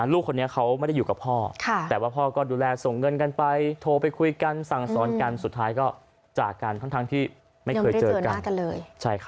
ลูกคนนี้เขาไม่ได้อยู่กับพ่อแต่ว่าพ่อก็ดูแลส่งเงินกันไปโทรไปคุยกันสั่งสอนกันสุดท้ายก็จากกันทั้งที่ไม่เคยเจอกันเลย